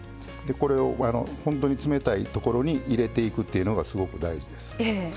これを、本当に冷たいところに入れていくということがすごく大事です。